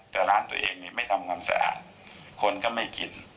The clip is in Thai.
แต่ร้านตัวเองเนี่ยไม่ทำความสะอาดคนก็ไม่กิน